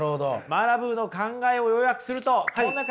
マラブーの考えを要約するとこんな感じになります。